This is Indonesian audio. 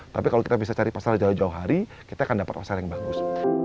tapi kalau kita bisa cari pasar jauh jauh hari kita akan dapat pasar yang bagus